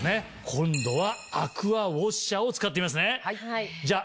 今度はアクアウォッシャーを使ってみますね。